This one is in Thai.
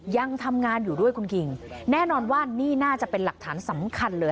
ยังทำงานอยู่ด้วยคุณคิงแน่นอนว่านี่น่าจะเป็นหลักฐานสำคัญเลย